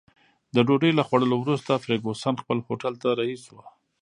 د ډوډۍ له خوړلو وروسته فرګوسن خپل هوټل ته رهي شوه.